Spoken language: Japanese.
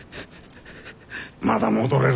まだ戻れる。